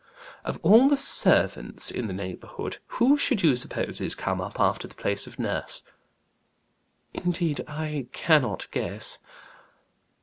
"Of all the servants in the neighborhood, who should you suppose is come up after the place of nurse?" "Indeed, I cannot guess."